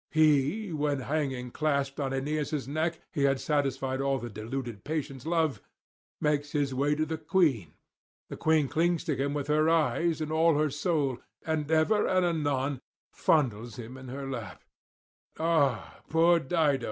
He, when hanging clasped on Aeneas' neck he had satisfied all the deluded parent's love, makes his way to the queen; the queen clings to him with her eyes and all her soul, and ever and anon fondles him in her lap, ah, poor Dido!